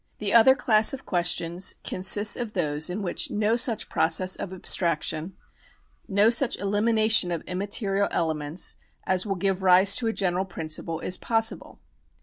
The other class of questions con sists of those in which no such process of abstraction, no such elimination of immaterial elements, as will give rise to a general principle, is possible.